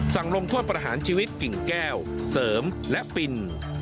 ลงโทษประหารชีวิตกิ่งแก้วเสริมและปิน